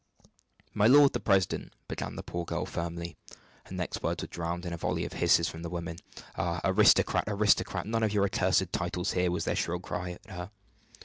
"My lord the president," began the poor girl firmly. Her next words were drowned in a volley of hisses from the women. "Ah! aristocrat, aristocrat! None of your accursed titles here!" was their shrill cry at her.